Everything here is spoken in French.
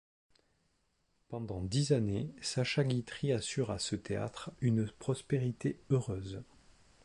Pendant dix années, Sacha Guitry assure à ce théâtre une prospérité heureuse.